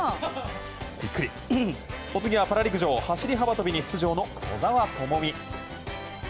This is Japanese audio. お次はパラ陸上走り幅跳びに出場する兎澤朋美。